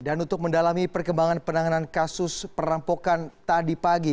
dan untuk mendalami perkembangan penanganan kasus perampokan tadi pagi